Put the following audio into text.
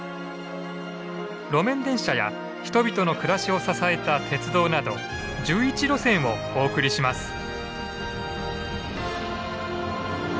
路面電車や人々の暮らしを支えた鉄道など１１路線をお送りします。